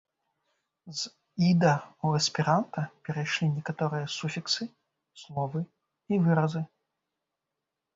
З іда ў эсперанта перайшлі некаторыя суфіксы, словы і выразы.